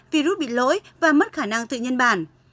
virus bị lỗi và mất khả năng tự nhân bản